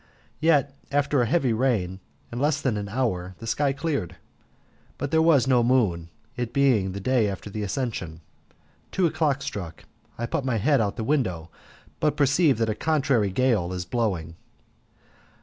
Yet after a heavy rain, in less than an hour, the sky cleared, but there was no moon, it being the day after the Ascension. Two o'clock stuck. I put my head out at the window, but perceive that a contrary gale is blowing.